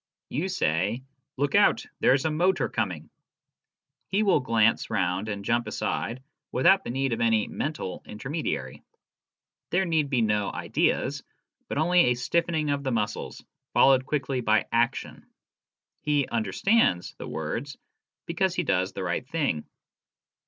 You say " look out, there's a motor coming." He will glance round and jump aside without the need of any " mental " intermediary. There need be no " ideas," but only a stiffening of the muscles, followed quickly by action. He " understands " the words, because he does the right thing.